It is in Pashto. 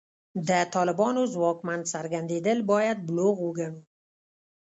د طالبانو ځواکمن څرګندېدل باید بلوغ وګڼو.